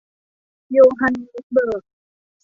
โยฮันเนสเบิร์ก